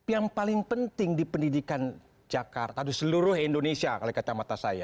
yang paling penting di pendidikan jakarta di seluruh indonesia kalau kacamata saya